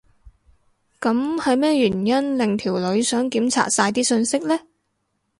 噉係咩原因令條女想檢查晒啲訊息呢？